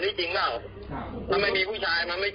มึงอย่ามาอยู่กับกูนะ